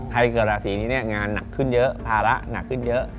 ใครเกี่ยวกับราศีนี้งานหนักขึ้นเยอะภาระหนักขึ้นเยอะ